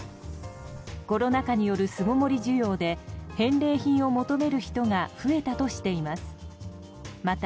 コロナ禍による巣ごもり需要で返礼品を求める人が増えたとしています。